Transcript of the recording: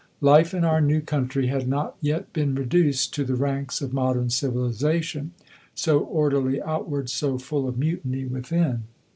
Life in our new country had not yet been reduced to the ranks of modern civilization so orderly outward, so full of mutiny within.